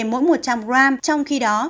mỗi một trăm linh g trong khi đó